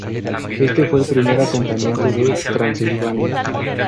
Este fue el primer asentamiento de Transilvania.